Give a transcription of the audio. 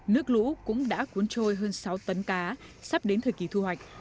nước lũ cũng đã cuốn trôi hơn sáu tấn cá sắp đến thời kỳ thu hoạch